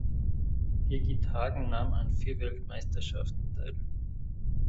Birgit Hagen nahm an vier Weltmeisterschaften teil.